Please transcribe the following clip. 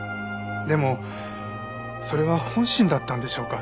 でもそれは本心だったんでしょうか？